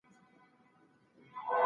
ولسي جرګه به هره اونۍ عمومي غونډي کوي.